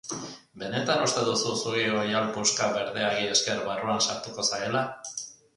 Benetan uste duzu zure oihal puska berdeari esker barruan sartuko zarela?